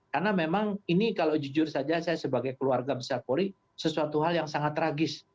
karena memang ini kalau jujur saja saya sebagai keluarga besar polri sesuatu hal yang sangat tragis